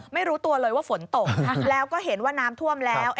ไม่รู้ตัวเลยว่าฝนตกแล้วก็เห็นว่าน้ำท่วมแล้ว